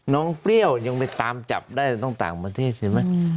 เปรี้ยวยังไปตามจับได้ต้องต่างประเทศใช่ไหม